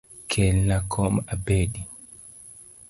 Kelna kom abedi.